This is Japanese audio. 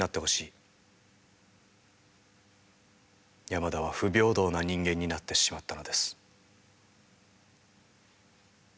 山田は不平等な人間になってしまったのです。